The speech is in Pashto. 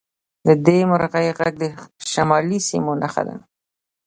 د دې مرغۍ غږ د شمالي سیمو نښه ده